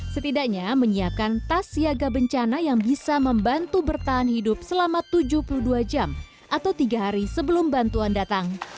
setidaknya menyiapkan tas siaga bencana yang bisa membantu bertahan hidup selama tujuh puluh dua jam atau tiga hari sebelum bantuan datang